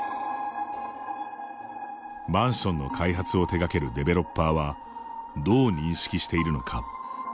マンションの開発を手がけるデベロッパーはどう認識しているのか。